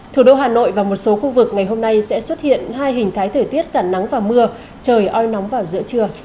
thủ đô hà nội và một số khu vực ngày hôm nay sẽ xuất hiện hai hình thái thời tiết cả nắng và mưa trời oi nóng vào giữa trưa